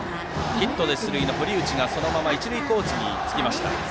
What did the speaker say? ヒットで出塁の堀内がそのまま一塁コーチにつきました。